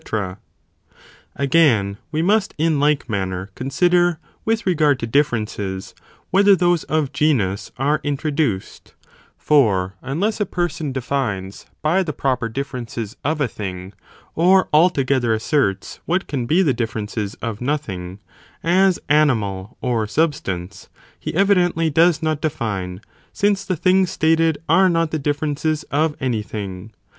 Ratioor ait. AGAIN, we must in like manner consider with gorenee t0:De regard to differences, whether those of genus are 'introduced, for unless a person defines by the pro " per differences of a thing, or altogether asserts what can be the differences of nothing, as animal or substance, he evidently does not define, since the things stated are not the differences of any thing.